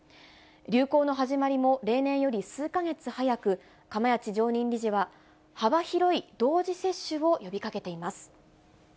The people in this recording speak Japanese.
流行の始まりも、例年より数か月早く、釜萢常任理事は幅広い同時接種を呼びかけています。